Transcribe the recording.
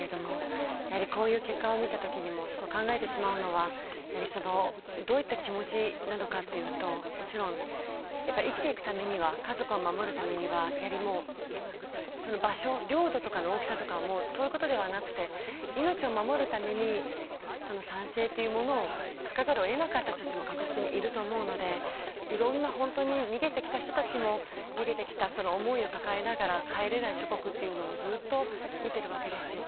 やはり、こういう結果を見たときに考えてしまうのはどういった気持ちなのかというと、生きていくためには家族を守るためには領土の大きさとかそういうことではなくて命を守るために賛成というものを書かざるを得なかった人たちも確実にいると思うので逃げてきた人たちも逃げてきた思いを抱えながら帰れない祖国をずっと見ているわけです。